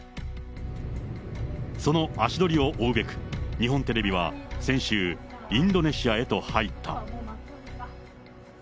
その足取りを追うべく、日本テレビは先週、インドネシアへと入った。